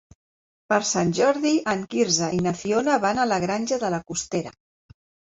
Per Sant Jordi en Quirze i na Fiona van a la Granja de la Costera.